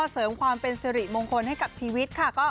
เสริมความเป็นสิริมงคลให้กับชีวิตค่ะ